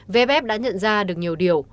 vff đã nhận ra được nhiều điều